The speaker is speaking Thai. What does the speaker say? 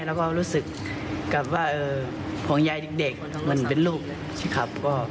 แล้วก็รู้สึกกับว่าห่วงยายเด็กมันเป็นลูกใช่ครับ